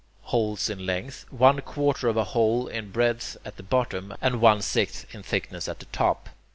holes in length, one quarter of a hole in breadth at the bottom, and one sixth in thickness at the top.